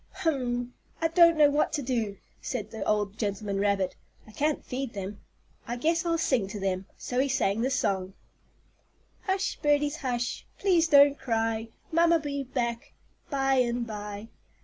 "Hum! I don't know what to do," said the old gentleman rabbit. "I can't feed them. I guess I'll sing to them." So he sang this song: "Hush, birdies, hush, Please don't cry; Mamma'll be back By and by.